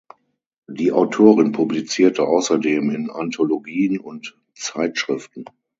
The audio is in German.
Die Autorin publizierte außerdem in Anthologien und Zeitschriften.